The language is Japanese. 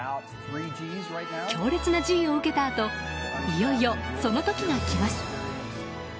強烈なＧを受けたあといよいよその時が来ます。